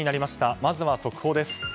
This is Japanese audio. まずは速報です。